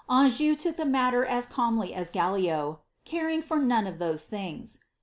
Anjou took the matter as calmly as caring for none of those things."